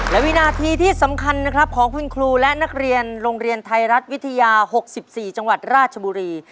และวินาทีที่สำคัญนะครับของคุณครูและนักเรียนโรงเรียนไทยรัฐวิทยา๖๔จังหวัดราชบุรี